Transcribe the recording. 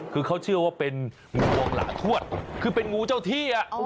คือเขาเชื่อว่าเป็นงูหลาทวดคือเป็นงูเจ้าที่